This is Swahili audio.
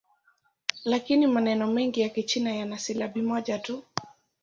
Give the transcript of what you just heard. Lakini maneno mengi ya Kichina yana silabi moja tu.